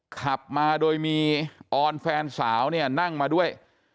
ขับมาโดยมีออนแฟนสาวเนี่ยนั่งมาด้วย